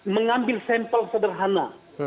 mengambil sampel sederhana